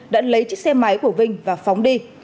đã lấy chiếc xe máy của vinh và phóng đi